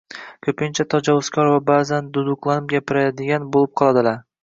ko‘pincha tajovuzkor va ba’zan duduqlanib gapiradigan bo‘lib qoladilar.